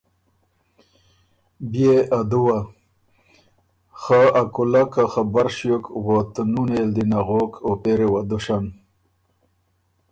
بيې ا دُوه، خه ا کُولک که خبر ݭیوک وطنُونئ ال دی نغوک او پېری وه دُشن!